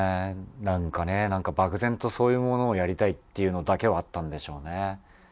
なんかねなんか漠然とそういうものをやりたいっていうのだけはあったんでしょうね。